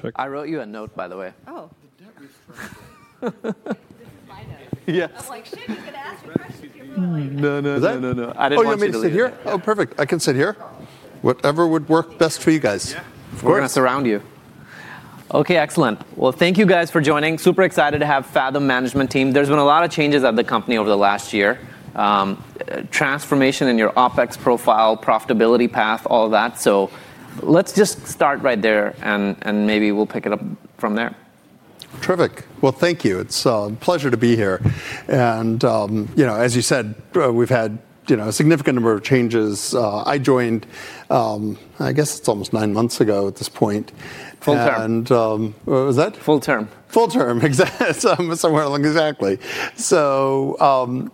Check. I wrote you a note, by the way. Oh. This is my note. Yes. I'm like, "Shit, you can ask your questions here, really. No, no, no, no, no. I didn't want to sit here. Oh, perfect. I can sit here. Whatever would work best for you guys. Yeah. We're going to surround you. Okay, excellent. Well, thank you guys for joining. Super excited to have the Phathom management team. There's been a lot of changes at the company over the last year. Transformation in your OpEx profile, profitability path, all of that. So let's just start right there and maybe we'll pick it up from there. Terrific. Well, thank you. It's a pleasure to be here, and as you said, we've had a significant number of changes. I joined, I guess it's almost nine months ago at this point. Full term. What was that? Full term. Full term, exactly. Somewhere along, exactly. So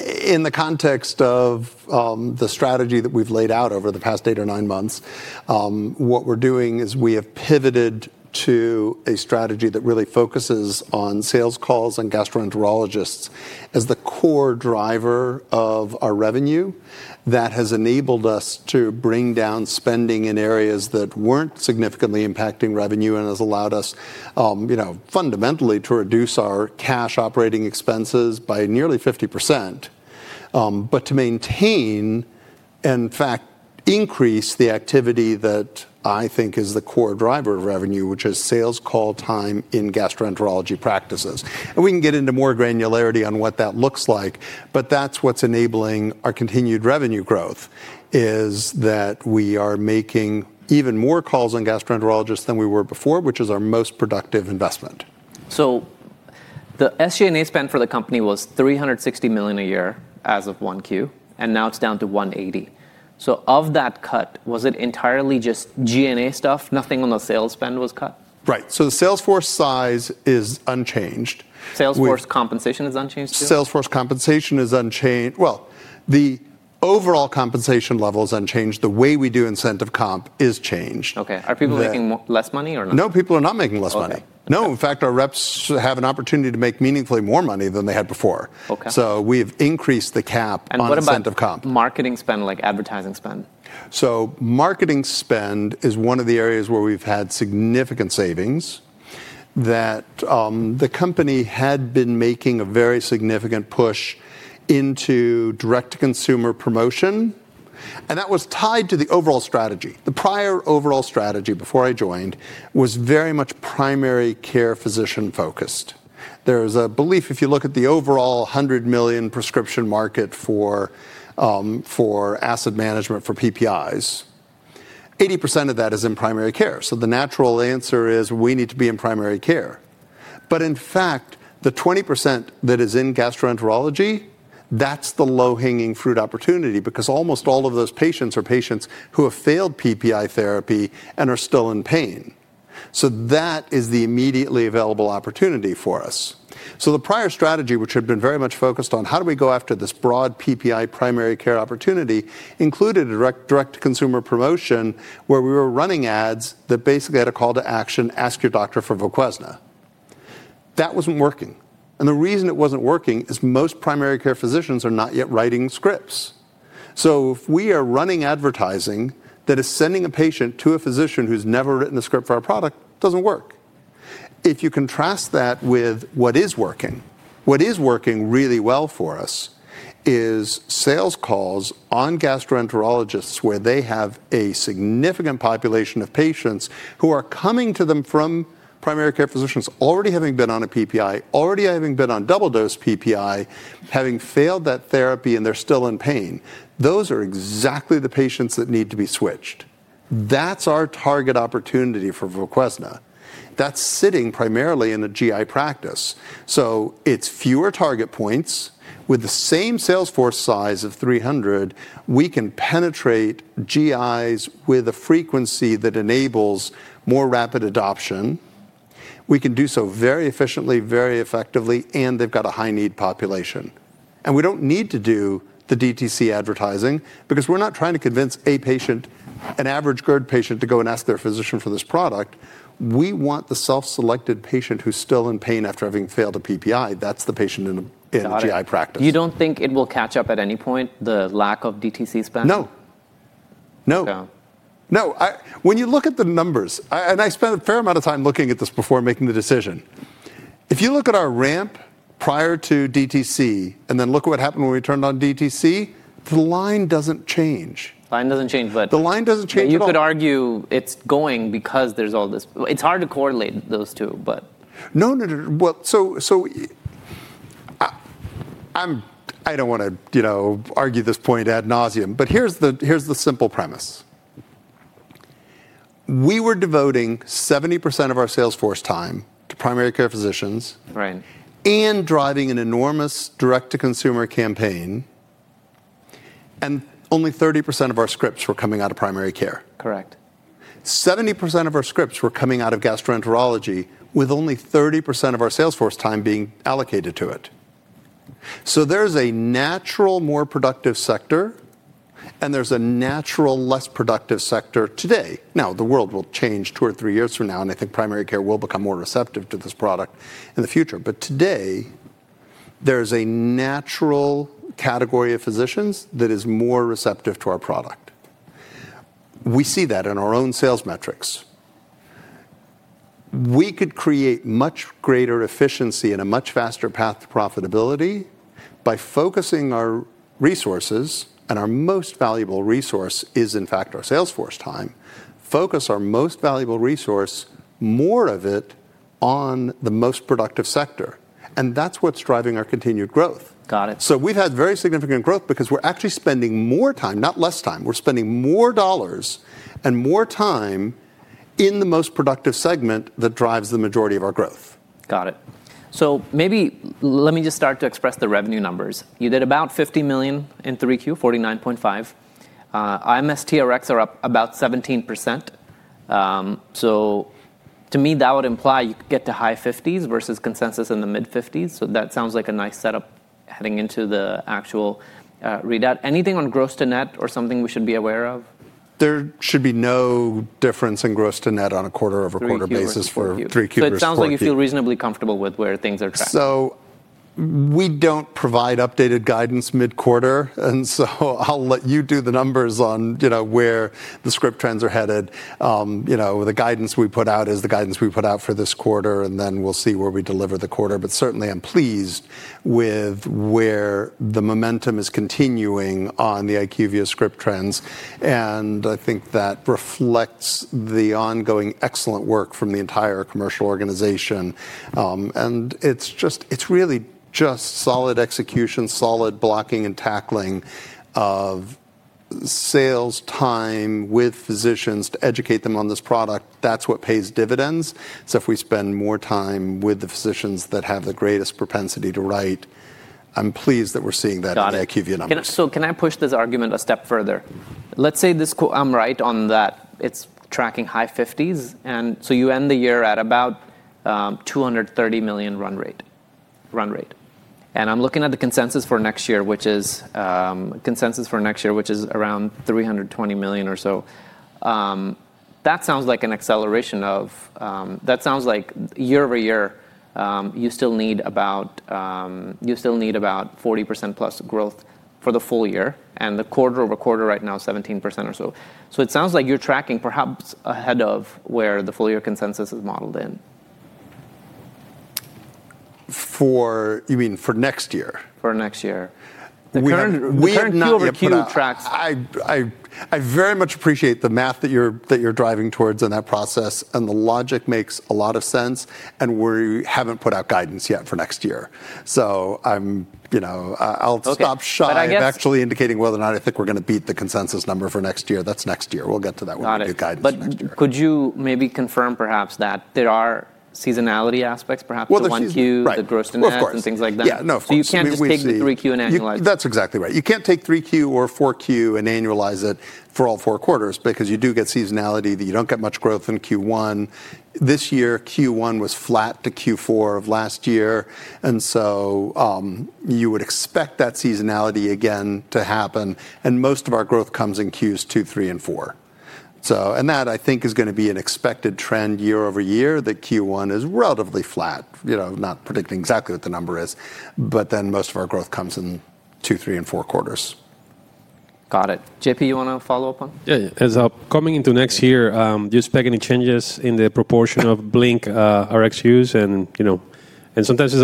in the context of the strategy that we've laid out over the past eight or nine months, what we're doing is we have pivoted to a strategy that really focuses on sales calls and gastroenterologists as the core driver of our revenue. That has enabled us to bring down spending in areas that weren't significantly impacting revenue and has allowed us fundamentally to reduce our cash operating expenses by nearly 50%, but to maintain, in fact, increase the activity that I think is the core driver of revenue, which is sales call time in gastroenterology practices. And we can get into more granularity on what that looks like, but that's what's enabling our continued revenue growth, is that we are making even more calls on gastroenterologists than we were before, which is our most productive investment. So the SG&A spend for the company was $360 million a year as of Q1, and now it's down to $180. So of that cut, was it entirely just G&A stuff? Nothing on the sales spend was cut? Right. So the sales force size is unchanged. Salesforce compensation is unchanged too? Salesforce compensation is unchanged. The overall compensation level is unchanged. The way we do incentive comp is changed. Okay. Are people making less money or no? No, people are not making less money. Okay. No, in fact, our reps have an opportunity to make meaningfully more money than they had before. So we have increased the cap on incentive comp. What about marketing spend, like advertising spend? So marketing spend is one of the areas where we've had significant savings that the company had been making a very significant push into direct-to-consumer promotion, and that was tied to the overall strategy. The prior overall strategy before I joined was very much primary care physician-focused. There is a belief, if you look at the overall 100 million prescription market for acid management for PPIs, 80% of that is in primary care. So the natural answer is we need to be in primary care. But in fact, the 20% that is in gastroenterology, that's the low-hanging fruit opportunity because almost all of those patients are patients who have failed PPI therapy and are still in pain. So that is the immediately available opportunity for us. So the prior strategy, which had been very much focused on how do we go after this broad PPI primary care opportunity, included direct-to-consumer promotion where we were running ads that basically had a call to action, "Ask your doctor for Voquezna." That wasn't working. And the reason it wasn't working is most primary care physicians are not yet writing scripts. So if we are running advertising that is sending a patient to a physician who's never written a script for our product, it doesn't work. If you contrast that with what is working, what is working really well for us is sales calls on gastroenterologists where they have a significant population of patients who are coming to them from primary care physicians already having been on a PPI, already having been on double-dose PPI, having failed that therapy and they're still in pain. Those are exactly the patients that need to be switched. That's our target opportunity for Voquezna. That's sitting primarily in a GI practice. So it's fewer target points. With the same sales force size of 300, we can penetrate GIs with a frequency that enables more rapid adoption. We can do so very efficiently, very effectively, and they've got a high-need population. And we don't need to do the DTC advertising because we're not trying to convince a patient, an average GERD patient, to go and ask their physician for this product. We want the self-selected patient who's still in pain after having failed a PPI. That's the patient in a GI practice. You don't think it will catch up at any point, the lack of DTC spend? No. No. Okay. No. When you look at the numbers, and I spent a fair amount of time looking at this before making the decision, if you look at our ramp prior to DTC and then look at what happened when we turned on DTC, the line doesn't change. The line doesn't change, but. The line doesn't change at all. You could argue it's going because there's all this. It's hard to correlate those two, but. No, no, no. Well, so I don't want to argue this point ad nauseam, but here's the simple premise. We were devoting 70% of our sales force time to primary care physicians and driving an enormous direct-to-consumer campaign, and only 30% of our scripts were coming out of primary care. Correct. 70% of our scripts were coming out of gastroenterology with only 30% of our sales force time being allocated to it, so there's a natural, more productive sector, and there's a natural, less productive sector today. Now, the world will change two or three years from now, and I think primary care will become more receptive to this product in the future, but today there is a natural category of physicians that is more receptive to our product. We see that in our own sales metrics. We could create much greater efficiency and a much faster path to profitability by focusing our resources, and our most valuable resource is, in fact, our sales force time. Focus our most valuable resource, more of it, on the most productive sector, and that's what's driving our continued growth. Got it. So we've had very significant growth because we're actually spending more time, not less time. We're spending more dollars and more time in the most productive segment that drives the majority of our growth. Got it. So maybe let me just start to express the revenue numbers. You did about $50 million in Q3, $49.5 million. IQVIA TRX are up about 17%. So to me, that would imply you could get to high 50s versus consensus in the mid-50s. So that sounds like a nice setup heading into the actual readout. Anything on gross to net or something we should be aware of? There should be no difference in gross to net on a quarter-over-quarter basis for 3Q. So it sounds like you feel reasonably comfortable with where things are tracking. So we don't provide updated guidance mid-quarter, and so I'll let you do the numbers on where the script trends are headed. The guidance we put out is the guidance we put out for this quarter, and then we'll see where we deliver the quarter. But certainly, I'm pleased with where the momentum is continuing on the IQVIA script trends, and I think that reflects the ongoing excellent work from the entire commercial organization. And it's really just solid execution, solid blocking and tackling of sales time with physicians to educate them on this product. That's what pays dividends. So if we spend more time with the physicians that have the greatest propensity to write, I'm pleased that we're seeing that in the IQVIA numbers. Got it. So can I push this argument a step further? Let's say this quote I'm right on that it's tracking high 50s, and so you end the year at about $230 million run rate. And I'm looking at the consensus for next year, which is around $320 million or so. That sounds like an acceleration of year-over-year, you still need about 40% plus growth for the full year, and the quarter over quarter right now is 17% or so. So it sounds like you're tracking perhaps ahead of where the full year consensus is modeled in. For, you mean for next year? For next year. We're currently. The current Q over Q tracks. I very much appreciate the math that you're driving towards in that process, and the logic makes a lot of sense, and we haven't put out guidance yet for next year. So I'll stop shy of actually indicating whether or not I think we're going to beat the consensus number for next year. That's next year. We'll get to that with the new guidance. Got it. But could you maybe confirm perhaps that there are seasonality aspects, perhaps the one Q, the gross to net, and things like that? Of course. Yeah, no. So you can't just take the three Q and annualize it. That's exactly right. You can't take three Q or four Q and annualize it for all four quarters because you do get seasonality. You don't get much growth in Q1. This year, Q1 was flat to Q4 of last year, and so you would expect that seasonality again to happen. And most of our growth comes in Qs two, three, and four. And that, I think, is going to be an expected trend year-over-year that Q1 is relatively flat, not predicting exactly what the number is, but then most of our growth comes in two, three, and four quarters. Got it. JP, you want to follow up on? Yeah. As coming into next year, do you expect any changes in the proportion of BlinkRx use? And sometimes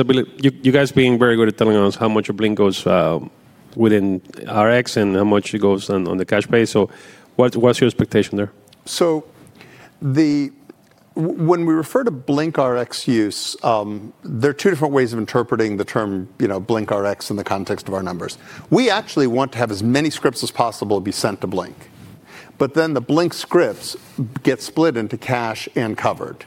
you guys being very good at telling us how much of BlinkRx goes within Rx and how much goes on the cash pay. So what's your expectation there? So when we refer to BlinkRx use, there are two different ways of interpreting the term BlinkRx in the context of our numbers. We actually want to have as many scripts as possible be sent to BlinkRx, but then the BlinkRx scripts get split into cash and covered.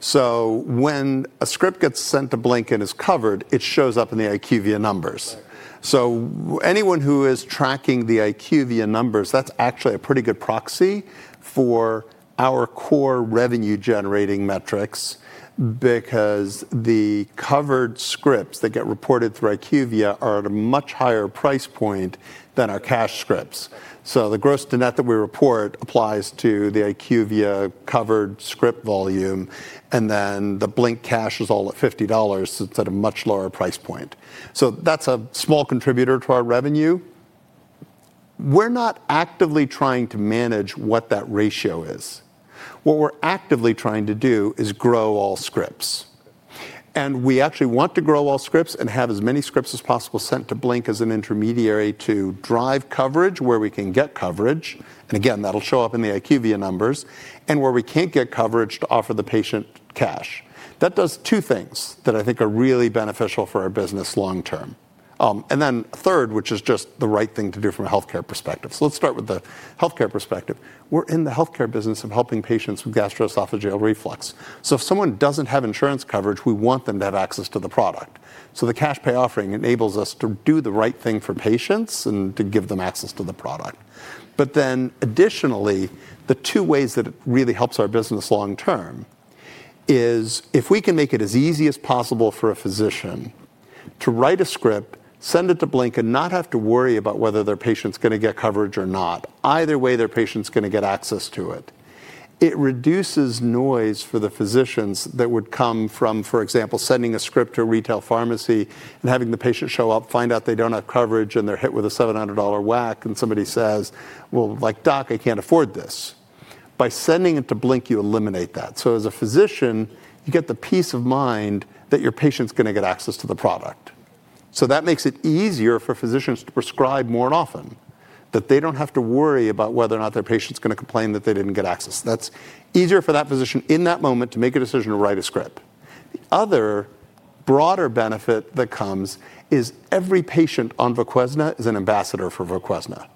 So when a script gets sent to BlinkRx and is covered, it shows up in the IQVIA numbers. So anyone who is tracking the IQVIA numbers, that's actually a pretty good proxy for our core revenue-generating metrics because the covered scripts that get reported through IQVIA are at a much higher price point than our cash scripts. So the gross to net that we report applies to the IQVIA covered script volume, and then the BlinkRx cash is all at $50. So it's at a much lower price point. So that's a small contributor to our revenue. We're not actively trying to manage what that ratio is. What we're actively trying to do is grow all scripts. And we actually want to grow all scripts and have as many scripts as possible sent to Blink as an intermediary to drive coverage where we can get coverage. And again, that'll show up in the IQVIA numbers and where we can't get coverage to offer the patient cash. That does two things that I think are really beneficial for our business long term. And then third, which is just the right thing to do from a healthcare perspective. So let's start with the healthcare perspective. We're in the healthcare business of helping patients with gastroesophageal reflux. So if someone doesn't have insurance coverage, we want them to have access to the product. So the cash pay offering enables us to do the right thing for patients and to give them access to the product. But then additionally, the two ways that it really helps our business long term is if we can make it as easy as possible for a physician to write a script, send it to Blink, and not have to worry about whether their patient's going to get coverage or not. Either way, their patient's going to get access to it. It reduces noise for the physicians that would come from, for example, sending a script to a retail pharmacy and having the patient show up, find out they don't have coverage, and they're hit with a $700 whack, and somebody says, "Well, like doc, I can't afford this." By sending it to Blink, you eliminate that. So as a physician, you get the peace of mind that your patient's going to get access to the product. So that makes it easier for physicians to prescribe more often, that they don't have to worry about whether or not their patient's going to complain that they didn't get access. That's easier for that physician in that moment to make a decision to write a script. The other broader benefit that comes is every patient on Voquezna is an ambassador for Voquezna.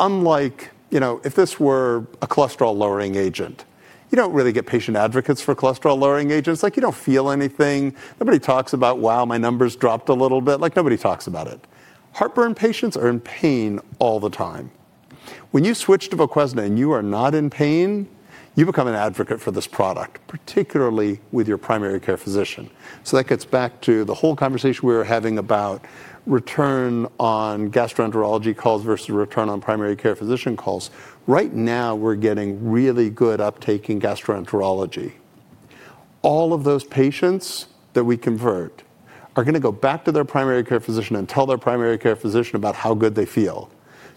Unlike if this were a cholesterol-lowering agent, you don't really get patient advocates for cholesterol-lowering agents. Like you don't feel anything. Nobody talks about, "Wow, my numbers dropped a little bit." Like nobody talks about it. Heartburn patients are in pain all the time. When you switch to Voquezna and you are not in pain, you become an advocate for this product, particularly with your primary care physician. So that gets back to the whole conversation we were having about return on gastroenterology calls versus return on primary care physician calls. Right now, we're getting really good uptake in gastroenterology. All of those patients that we convert are going to go back to their primary care physician and tell their primary care physician about how good they feel.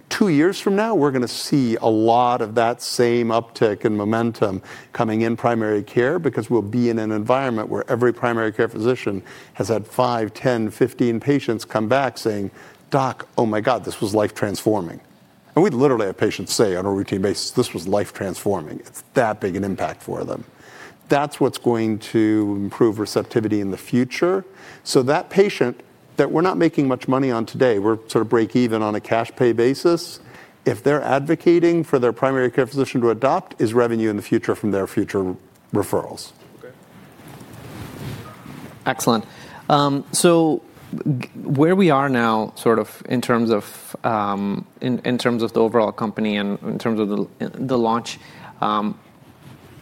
Two years from now, we're going to see a lot of that same uptake and momentum coming in primary care because we'll be in an environment where every primary care physician has had five, 10, 15 patients come back saying, "Doc, oh my God, this was life transforming." And we literally have patients say on a routine basis, "This was life transforming." It's that big an impact for them. That's what's going to improve receptivity in the future. So that patient that we're not making much money on today, we're sort of break even on a cash pay basis. If they're advocating for their primary care physician to adopt, it's revenue in the future from their future referrals. Excellent. So where we are now sort of in terms of the overall company and in terms of the launch,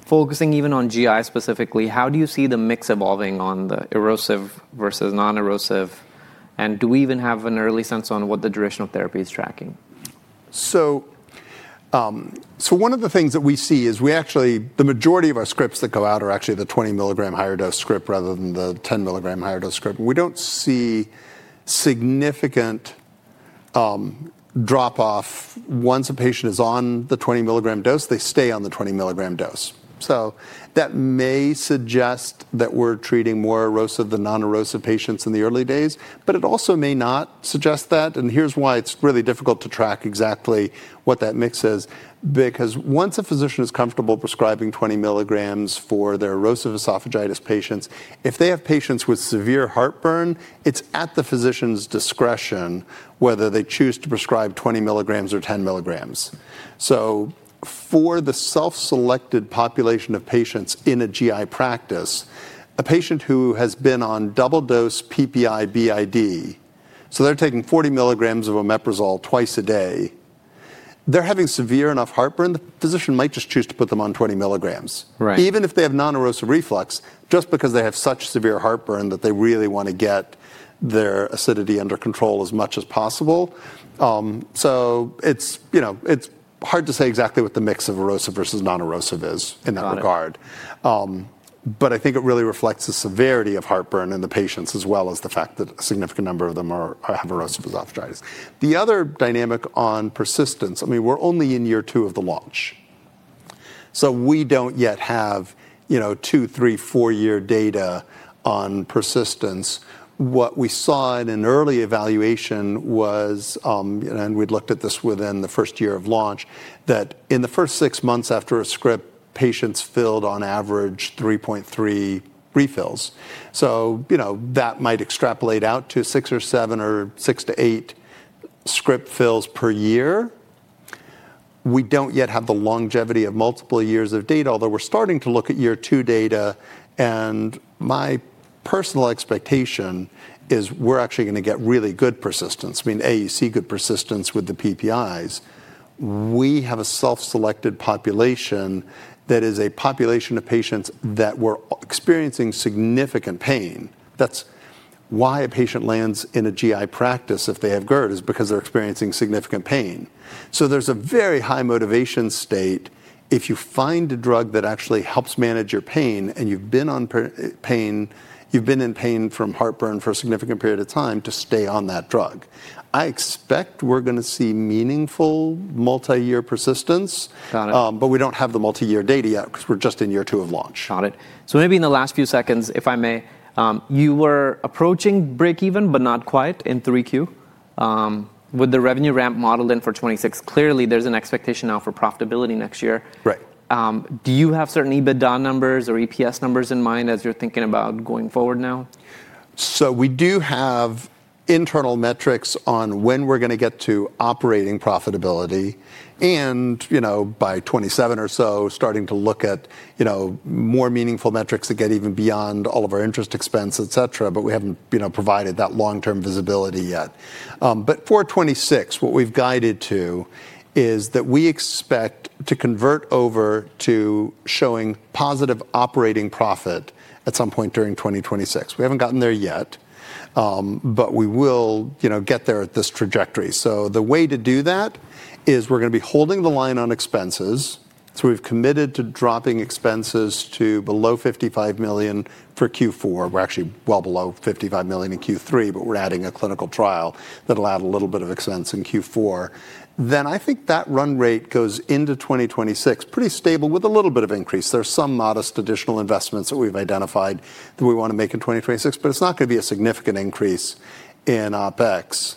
focusing even on GI specifically, how do you see the mix evolving on the erosive versus non-erosive? And do we even have an early sense on what the duration of therapy is tracking? So one of the things that we see is we actually the majority of our scripts that go out are actually the 20 milligram higher dose script rather than the 10 milligram higher dose script. We don't see significant drop-off. Once a patient is on the 20 milligram dose, they stay on the 20 milligram dose. So that may suggest that we're treating more erosive than non-erosive patients in the early days, but it also may not suggest that. And here's why it's really difficult to track exactly what that mix is, because once a physician is comfortable prescribing 20 milligrams for their erosive esophagitis patients, if they have patients with severe heartburn, it's at the physician's discretion whether they choose to prescribe 20 milligrams or 10 milligrams. So, for the self-selected population of patients in a GI practice, a patient who has been on double dose PPI BID, so they're taking 40 milligrams of Omeprazole twice a day, they're having severe enough heartburn, the physician might just choose to put them on 20 milligrams. Even if they have non-erosive reflux, just because they have such severe heartburn that they really want to get their acidity under control as much as possible. It's hard to say exactly what the mix of erosive versus non-erosive is in that regard. But I think it really reflects the severity of heartburn in the patients as well as the fact that a significant number of them have Erosive Esophagitis. The other dynamic on persistence, I mean, we're only in year two of the launch. We don't yet have two-, three-, four-year data on persistence. What we saw in an early evaluation was, and we'd looked at this within the first year of launch, that in the first six months after a script, patients filled on average 3.3 refills. So that might extrapolate out to six or seven or six to eight script fills per year. We don't yet have the longevity of multiple years of data, although we're starting to look at year two data. And my personal expectation is we're actually going to get really good persistence. I mean, A, you see good persistence with the PPIs. We have a self-selected population that is a population of patients that were experiencing significant pain. That's why a patient lands in a GI practice if they have GERD, is because they're experiencing significant pain. There's a very high motivation state if you find a drug that actually helps manage your pain and you've been in pain from heartburn for a significant period of time to stay on that drug. I expect we're going to see meaningful multi-year persistence, but we don't have the multi-year data yet because we're just in year two of launch. Got it. So maybe in the last few seconds, if I may, you were approaching breakeven but not quite in 3Q with the revenue ramp modeled in for 2026. Clearly, there's an expectation now for profitability next year. Do you have certain EBITDA numbers or EPS numbers in mind as you're thinking about going forward now? So we do have internal metrics on when we're going to get to operating profitability and by 2027 or so starting to look at more meaningful metrics that get even beyond all of our interest expense, et cetera, but we haven't provided that long-term visibility yet. But for 2026, what we've guided to is that we expect to convert over to showing positive operating profit at some point during 2026. We haven't gotten there yet, but we will get there at this trajectory. So the way to do that is we're going to be holding the line on expenses. So we've committed to dropping expenses to below $55 million for Q4. We're actually well below $55 million in Q3, but we're adding a clinical trial that'll add a little bit of expense in Q4. Then I think that run rate goes into 2026 pretty stable with a little bit of increase. There's some modest additional investments that we've identified that we want to make in 2026, but it's not going to be a significant increase in OpEx.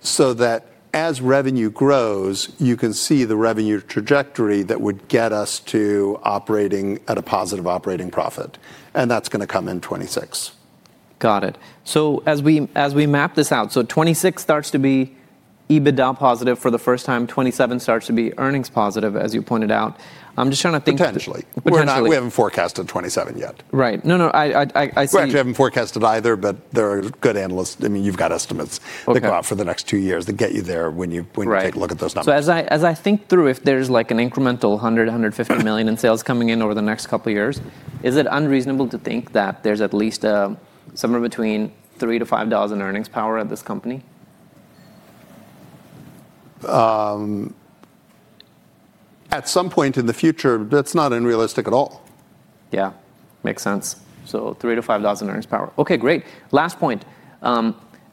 So that as revenue grows, you can see the revenue trajectory that would get us to operating at a positive operating profit, and that's going to come in 2026. Got it. So as we map this out, so 2026 starts to be EBITDA positive for the first time. 2027 starts to be earnings positive, as you pointed out. I'm just trying to think. Potentially. Potentially. We haven't forecasted 2027 yet. Right. No, no. I see. We actually haven't forecasted either, but there are good analysts. I mean, you've got estimates to go out for the next two years that get you there when you take a look at those numbers. As I think through if there's like an incremental $100 million-$150 million in sales coming in over the next couple of years, is it unreasonable to think that there's at least somewhere between $3-$5 in earnings power at this company? At some point in the future, that's not unrealistic at all. Yeah. Makes sense. So $3-$5 in earnings power. Okay, great. Last point.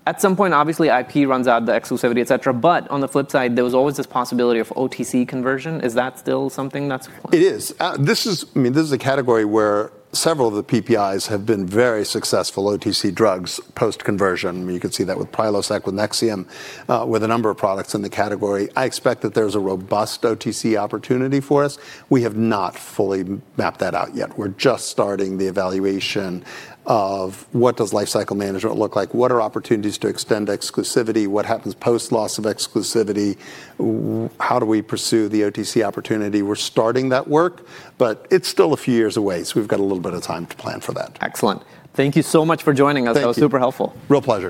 At some point, obviously, IP runs out, the exclusivity, et cetera, but on the flip side, there was always this possibility of OTC conversion. Is that still something that's? It is. I mean, this is a category where several of the PPIs have been very successful OTC drugs post-conversion. You could see that with Prilosec, with Nexium, with a number of products in the category. I expect that there's a robust OTC opportunity for us. We have not fully mapped that out yet. We're just starting the evaluation of what does life cycle management look like? What are opportunities to extend exclusivity? What happens post-loss of exclusivity? How do we pursue the OTC opportunity? We're starting that work, but it's still a few years away, so we've got a little bit of time to plan for that. Excellent. Thank you so much for joining us. That was super helpful. Real pleasure.